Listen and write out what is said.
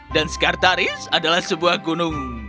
dan skartaris adalah sebuah gunung